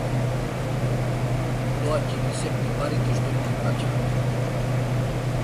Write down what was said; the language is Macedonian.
Тоа ќе ги секне парите што ни ги праќаат